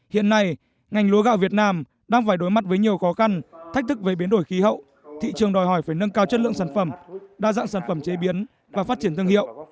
hiện nay ngành lúa gạo việt nam đang phải đối mặt với nhiều khó khăn thách thức về biến đổi khí hậu thị trường đòi hỏi phải nâng cao chất lượng sản phẩm đa dạng sản phẩm chế biến và phát triển thương hiệu